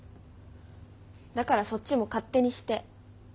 だからそっちも勝手にして。